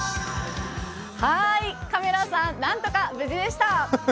カメラさん、なんとか無事でした。